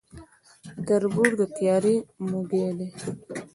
تر بور د تيارې موږى دى.